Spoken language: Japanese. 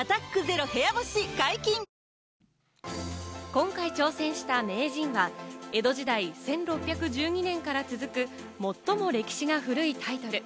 今回挑戦した名人は江戸時代、１６１２年から続く最も歴史が古いタイトル。